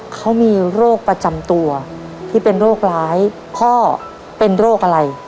เขามีโรคประจำตัวที่เป็นโรคร้ายพ่อเป็นโรคอะไร